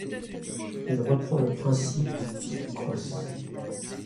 Il reprend le principe du picross.